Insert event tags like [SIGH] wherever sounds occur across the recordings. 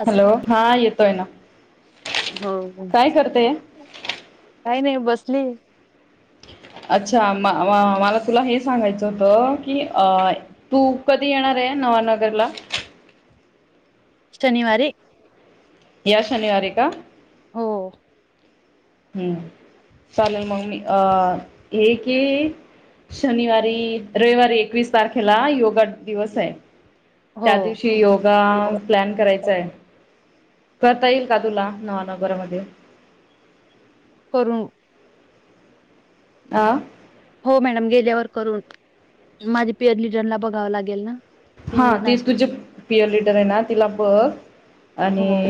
आज हॅलो हा येतोय ना, हो काय करतेय, काही नाही बसलीये, अच्छा म मला तुला हे सांगायचं होतं की अ तू कधी येणार आहे. नवानगरला शनिवारी या शनिवारी का? हो हम्म चालेल मग मी अ हे की, शनिवारी रविवारी एकवीस तारखेला योगा दिवस आहे. हो त्या दिवशी योगा प्लॅन करायचा आहे. करता येईल का तुला नवा नवनगरामध्ये, करू, आ हो मॅडम गेल्यावर करून माझे पिअर लिडरला बघावं लागेल ना, हा ती तुझे पियर लिडर आहे. ना तिला बघ, आणि हो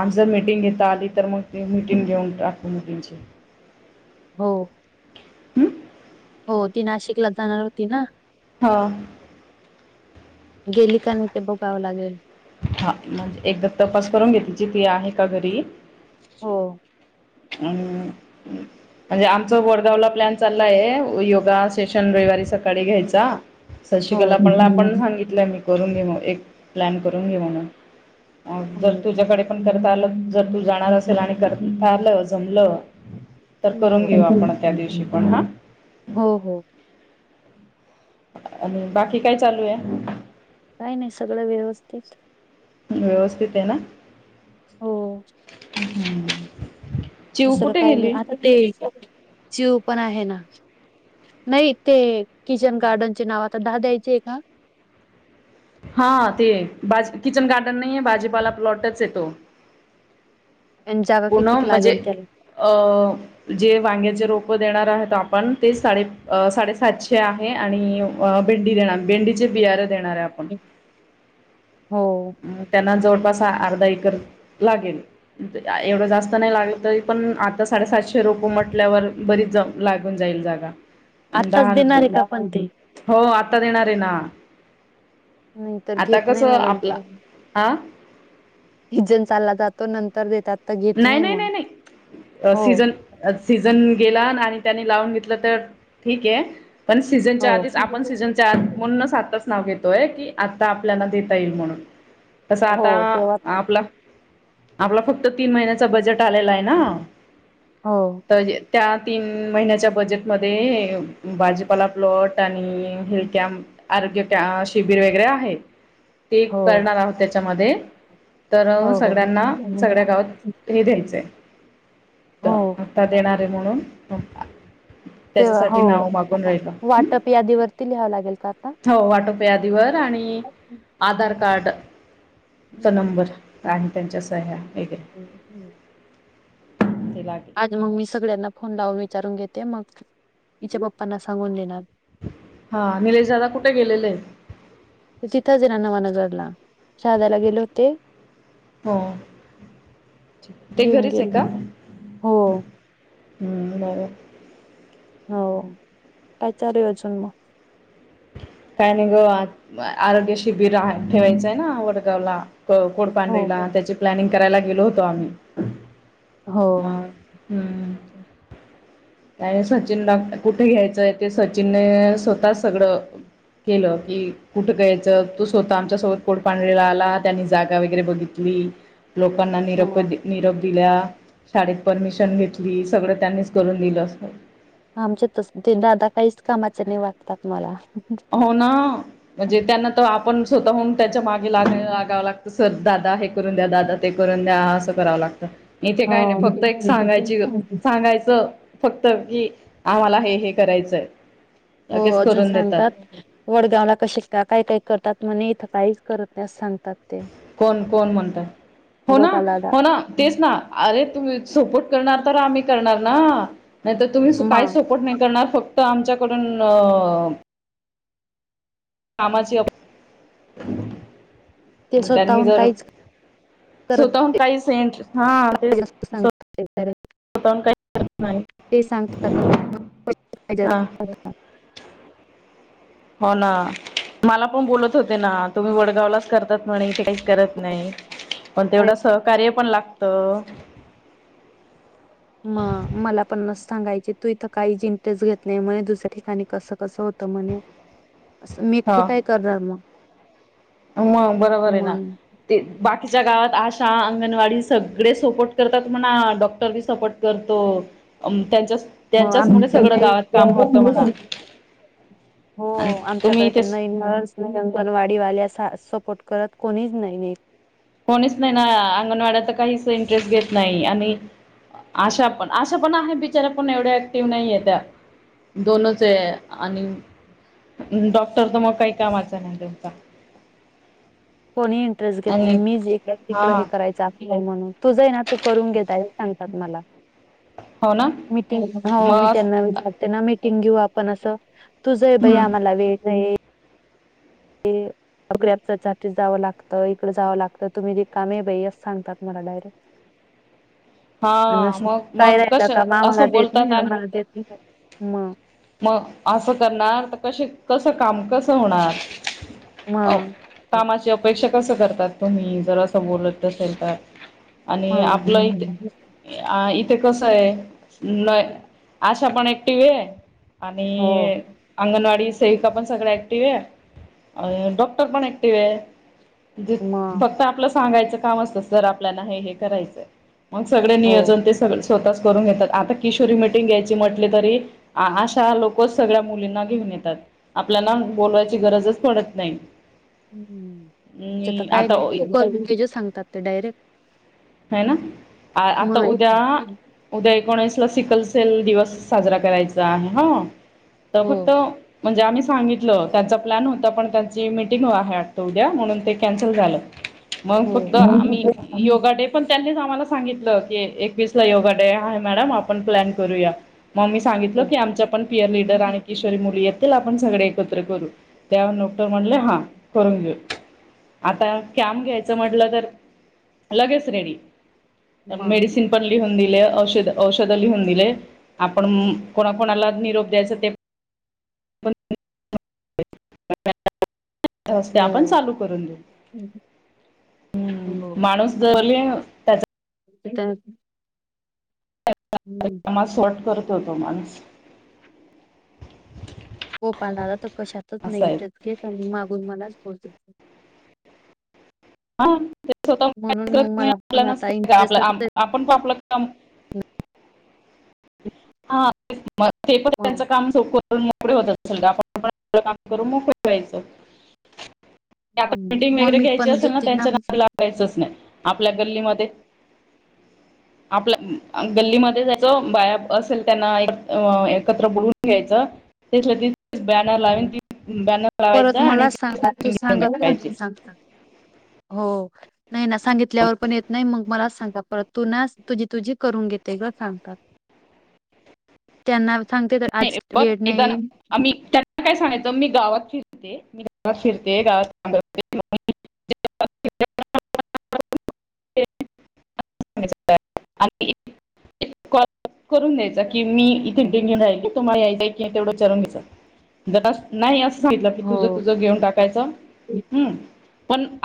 आज जर मिटिंग घेता आली तर, मग ती मिटिंग घेऊन टाकु मुलीची, हो हं. हो ती नाशिकलाच जाणार होती ना, हो गेली का नाही ते बघावं लागेल. हा म्हणजे एकदा तपास करून घे तीची तीआहे का घरी. हो! हम म्हणजे आमचं वडगावला प्लॅन चालला आहे योगा सेशन रविवारी सकाळी घ्यायचा. हो सशिकला हो पण सांगितलं मी करून घे मग एक प्लॅन करून घे म्हणून. अ जर तुझ्याकडे पण करता आलं जर तू जाणार असेल आणि करता आलं. जमलं तर करून हो घेऊ आपण त्या दिवशी पण हा. हो हो आणि बाकी काय चालू आहे. काय नाही सगळं व्यवस्थित. व्यवस्थित आहे ना. हो चिऊ दुसरं कुठे काही नाही गेली? आता ते चिव पण आहे ना! नाही ते किचन गार्डनचे नाव आता दहा द्यायचे आहे का? हा! ते किचन गार्डन नाही आहे, भाजीपाला प्लॉटच आहे तो आणि जागा कितीक पूणम लागेल म्हणजे! त्याला जे वांग्याचे रोप देणार आहेत आपण ते साडे साडेसातशे आहे आणि अ भेंडी देणार भेंडीचे बियाारे देणार आहे. हो त्यांना जवळपास अर्धा एकर लागेल. एवढं जास्त नाही लाग तरी पण आता साडेसातशे रोप म्हटल्यावर बरीच जामत लागून जाईल जागा. आणि आत्ताच दहा, देणार आहे का पण ते हो आता देणार आहे ना! नाही तर आता घेत कस, नाही मॅडम आपला हा जिमला जातो नंतर देतात. तर घेत नाही नाही मग नाही नाही हो सीजन सीझन गेला आणि त्यानी लावून घेतलं तर ठीक आहे. पण हो सीझनच्या आधीच आपण सीझनच्या म्हणून आता नाव घेतोय की आता आपल्याला देता येईल म्हणून! तसं हो आता तेव्हा आपला आपला फक्त तीन महिन्याच बजेट आलेला आहे ना! हो तर त्या तीन महिन्याच्या बजेटमध्ये भाजीपाला प्लॉट आणि हिल कॅम्प आरोग्य शिबिर वगैरे आहे. ते हो करणार आहोत त्याच्यामध्ये तर हो हो सगळ्यांना सगळ्या गावात हे द्यायचंय तर हो आत्ता देणारे म्हणून त्याच्यासाठी नाव मागून राहिलो. टप यादी वरती लिहावं लागेल का! हो टोपे आधीवर आणि आधार कार्डचा नंबर आणि त्यांच्या सह्या ते लागेल. आज मग मी सगळ्यांना फोन लावून विचारून घेते मग तिच्या पप्पांना सांगून देणार. हा निलेश दादा कुठे गेलेले आहेत. तिथंच ना नवानजरला शहादाला गेले होते. हो ते घेऊन घरीच आहे गेले का? हो हम होय. हो काय चालू आहे अजून मग काय नाही ग आरोग्य शिबिर आ ठेवायचंय ना वडगावला. हो कोडपांढरीला त्याची प्लॅनिंग करायला गेलो होतो आम्ही हा हो हम्म. आणि सचिनला कुठे घ्यायचंय ते सचिनने स्वतः सगळं केलं की कुठं घ्यायच तू स्वतः आमच्यासोबत कोड पांढरीला आला त्यांनी जागा वगैरे बघितली लोकांना निरोप, निरोप दिला. शाळेत परमिशन घेतली सगळं त्यांनीच करून दिलं अस. आमच्यात तस ते दादा काहीच कामाचे नाही वाटतात मला. हो ना. म्हणजे त्यांना तर आपण स्वतःहून त्याच्या मागे लाग लागावं लागतं सर दादा हे करून द्या दादा ते करून द्या असं करावं लागतं इथे हो काय नाही फक्त एक सांगायची सांगायचं फक्त की आम्हाला हे हे करायचंय हो लगेच अजून करून देतात सांगतात. वडगावला कसे काय, काय करतात म्हणे इथं काहीच करत नाही असं सांगतात ते. कोण, कोण म्हणतय हो ना, गोपालदादा हो ना, तेच ना अरे तुम्ही सपोर्ट करणार तर आम्ही करणार ना नाहीतर तुम्ही काही मग सपोर्ट नाही करणार फक्त आमच्याकडून कामाचे ते त्यांनी स्वतःहून जर, काहीच स्वतःहून काही सेंट हा ते सां [UNINTELLIGIBLE] करत नाही ते सांगतात हा [INAUDIBLE] हो ना. मला पण बोलत होते ना तुम्ही वडगावलाच करतात म्हणे इथे काहीच करत नाही. पण तेवढ सहकार्य पण लागत. मग मला पण असं सांगायचे तू इथं काहीच इंटरेस्ट घेत नाही म्हणे दुसऱ्या ठिकाणी कसं, कसं होतं म्हणे. ह [INAUDIBLE] मी एकठी काय करणार मग. मग बरोबर आहे ना. मग ते बाकीच्या गावात आशा, अंगणवाडी सगळे सपोर्ट करतात म्हणा डॉक्टर बी सपोर्ट करतो त्यांच्या मग आम त्यांच्याचमुळे सगळं गावात काम होतं म्हणा. [INAUDIBLE] हो आणि तुम्ही आमच्याकडे ते नाही ना अंगणवाडीवाल्या सपोर्ट करत कोणीच नाहीये. कोणीच नाही ना अंगणवाड्या तर काहीच इंटरेस्ट घेत नाही आणि अशा पण, अशा पण आहे बिचारा पण एवढ्या ऍक्टिव्ह नाहीे त्या. दोनच आहे आणि डॉक्टर तर मग काही कामाचं नाही त्यांचा. कोणी इंटरेस्ट घेत नाही आणि मी जे इकडं, हा तिकडं हे करायचा. म्हणून तूझ आहे ना तू करून घे ताई सांगतात मला. हो ना मिटिंग हो मी मग त्यांना विचारते ना मिटिंग घेऊ आपण असं तुझं जाई बाई हम्म. आम्हाला वेळ नाही. ह [INAUDIBLE] अग ग्रॅबच्यासाठी जावं लागतं इकडे जावं लागतं तुम्ही रिकामे हे बाई असं सांगतात मला डायरेक्ट. [INAUDIBLE] आणि हा असं मग, मग काय राहिलं कस का मामाला असं देत बोलतात नाही अन आम्हाला देत नाही मग मग असं करणार तर कशी कस काम कसं होणार. मग कामाची अपेक्षा कस करतात तुम्ही? जर असं बोलत असेल तर. आणि आपलं इथ मग अ इथे कस आहे न आशा पण ऍक्टिव आहे. हो आणि अंगणवाडी सेविका पण सगळ्या ॲक्टिव्हेत, अ डॉक्टर पण ॲक्टिव्हेत. म्हणजे मग फक्त आपलं सांगायचं काम असतं. सर आपल्याला हे हे करायचंय. मग सगळे हो नियोजन ते स स्वतःच करून घेतात. आता किशोरी मिटिंग घ्यायची म्हटले तरी अशा लोकच सगळ्या मुलींना घेऊन येतात. आपल्याला बोलवायची गरजच पडत नाही. हम्म, आमच्या तर मी काय आता नाही, जे सांगतात ते डायरेक्ट हाय ना. आता मग एक उद्या उद्या एकोणीसला सिकलसेल दिवस साजरा करायचा आहे हं, तर हो फक्त म्हणजे आम्ही सांगितलं, त्यांचा प्लॅन न्हवता पण त्यांची मीटिंग आहे वाटतं उद्या, म्हणून ते कॅन्सल झालं. मग हो फक्त हो आम्ही योगा डे त्यांनीच आम्हाला सांगितलं की, एकवीसला योगा डे आहे मॅडम. आपण प्लॅन करूया. मग सांगितलं की, आमचा पीयरलीडर मुली येतील आपण सगळे एकत्र करू. तेव्हा [UNINTELLIGIBLE] म्हणले हा करून घेऊ. आता कॅम घ्यायचं म्हटलं, तर लगेच रेडी. पण मग मेडिसिन लिहून दिले, औषध लिहून दिले. आपण कोणाकोणाला निरोप द्यायच ते [INAUDIBLE] आपण चालू करून देऊ. हम्म. हम्म, माणूस [UNINTELLIGIBLE] [UNINTELLIGIBLE] [UNINTELLIGIBLE] शॉट करतो होतो माणूस. गोपाळ दादा तर कशातच नाही असं आहे इंटरेस्ट घेत आणि मागून मलाच बोलतो. हा ते म्हणून मग मला पण आता इंटरेस्टच [UNINTELLIGIBLE] आहे आपण प आपलं काम हा, मग ते पण मग त्यांचं काम [UNINTELLIGIBLE] मोकळे होतात [UNINTELLIGIBLE] आपण काम करून मोकळे व्हायचं. आता मग मीटिंग मग वगैरे मी घ्यायची पण असेल ना गेलते त्यांच्या नादी लागायचचं नाही. आपल्या गल्लीमध्ये आपल्या गल्लीमध्ये जायतो, बाया असेल त्यांना एक एकत्र बोलवून घ्यायचं. तेच लगीच बॅनर लावेन हो. ती बॅनर परत लावायचा आणि मलाच सांगा तू घेऊन सांगत टाकायची. नाही सांगता हो. नाही ना. सांगितल्यावर पण येत नाही, मग मलाच सांगातात परत, तु ना तुझी तुझी करून घेते ग सांगतात. [INAUDIBLE] त्यांना सांगते तर, आज नाही, बघ वेळ एकदा ना नाही. आम्ही त्यांना काय सांगयचं, मी गावाची मी गावात फिरते गावातां [INAUDIBLE] [INAUDIBLE] आणि कॉल करून द्यायचा की, मी [UNINTELLIGIBLE] राहिले. तुम्हा यायचयं का नाही? तेवढं विचारून घेतात. ज नाही असं [UNINTELLIGIBLE] की, तुझं हो तुझं घेऊन टाकायचं, पण हम्म